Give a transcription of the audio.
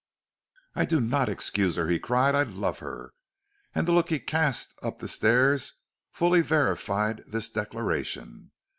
"I do not excuse her," he cried, "I love her." And the look he cast up the stairs fully verified this declaration.